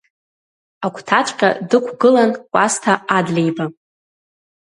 Агәҭаҵәҟьа дықәгылан Кәасҭа Адлеиба.